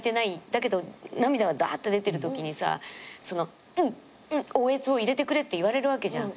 だけど涙がだーっと出てるときにさおえつを入れてくれって言われるわけじゃん。